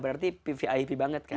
berarti pivi banget ya